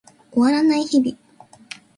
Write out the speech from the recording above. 終わらない日々